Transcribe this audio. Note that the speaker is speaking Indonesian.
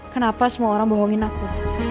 kenapa semua orang bohongin aku